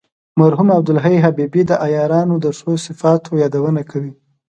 مرحوم عبدالحی حبیبي د عیارانو د ښو صفاتو یادونه کوي.